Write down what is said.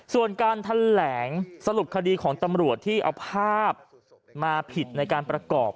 ส่วนการแถลงสรุปคดีของตำรวจที่เอาภาพมาผิดในการประกอบ